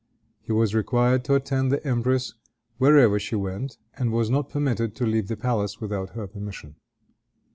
He was required to attend the empress wherever she went, and was not permitted to leave the palace without her permission.